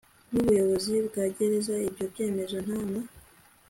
n ubuyobozi bwa gereza ibyo byemezo nta na